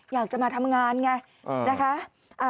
อยากจะมาทำงานไงนะคะ